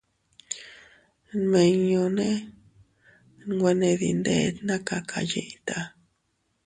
Nmiñune nwene dindet naa kakayiʼta.